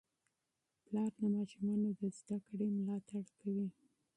پلار د ماشومانو د زده کړې ملاتړ کوي.